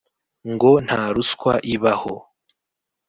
Ngo ntaruswa ibaho